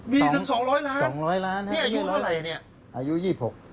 มีถึงสองร้อยล้านสองร้อยล้านนี่อายุอะไรอ่ะเนี่ยอายุยี่หก